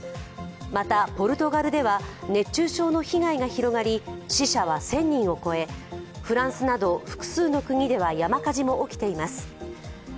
また、ポルトガルでは熱中症の被害が広がり死者は１０００人を超えフランスなど複数の国では山火事も起きています。